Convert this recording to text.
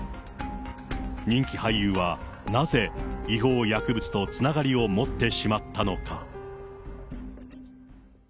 人気俳優はなぜ違法薬物とつながりを持ってしまったのか。